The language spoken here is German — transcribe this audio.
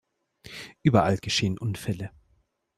Überall geschehen Unfälle.